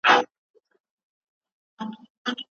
ښځه ولي د واده په پيل کي وارخطا وي؟